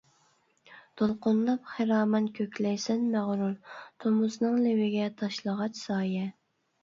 دولقۇنلاپ خىرامان كۆكلەيسەن مەغرۇر، تومۇزنىڭ لېۋىگە تاشلىغاچ سايە.